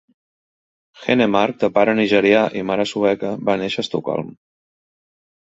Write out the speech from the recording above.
Henemark, de pare nigerià i mare sueca, va néixer a Estocolm.